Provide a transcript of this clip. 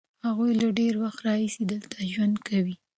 هغوی له ډېر وخت راهیسې دلته ژوند کوي.